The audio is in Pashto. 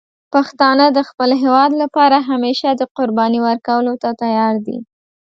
پښتانه د خپل هېواد لپاره همیشه د قربانی ورکولو ته تیار دي.